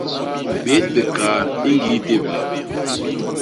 Bét bikaat i ñgii téblé.